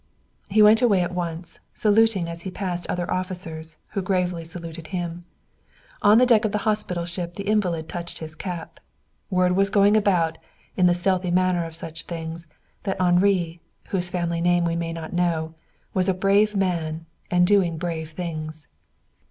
He went away at once, saluting as he passed other officers, who gravely saluted him. On the deck of the hospital ship the invalid touched his cap. Word was going about, in the stealthy manner of such things, that Henri whose family name we may not know, was a brave man and doing brave things.